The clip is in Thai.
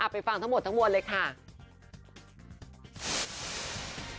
ไปฟังทั้งหมดทั้งมวลเลยค่ะ